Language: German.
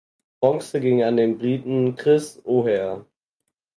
Bronze ging an den Briten Chris O’Hare.